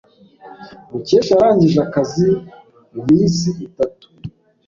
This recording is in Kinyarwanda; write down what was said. Mukesha yarangije akazi muminsi itatu.